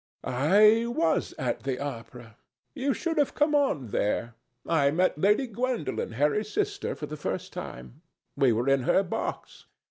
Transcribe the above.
"I was at the opera. You should have come on there. I met Lady Gwendolen, Harry's sister, for the first time. We were in her box.